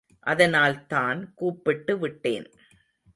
அதனால்தான் கூப்பிட்டு விட்டேன்.